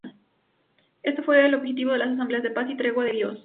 Éste fue el objetivo de las asambleas de Paz y Tregua de Dios.